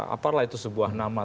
apalah itu sebuah nama